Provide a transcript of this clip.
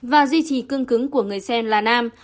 và duy trì cương cứng của người xem là nam